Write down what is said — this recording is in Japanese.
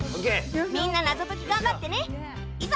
みんな謎解き頑張ってねいざ